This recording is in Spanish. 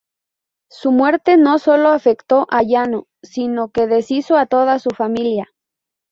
Su muerte no solo afectó a Yano, sino que deshizo a toda su familia.